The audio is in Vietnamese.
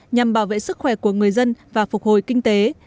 nhằm bảo vệ sức khỏe của người dân và phục hồi kinh tế